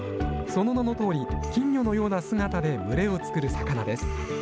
その名のとおり、金魚のような姿で群れを作る魚です。